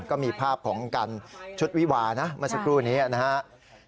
ก็มีภาพของกันชุดวิวานะเมื่อสักครู่นี้นะครับ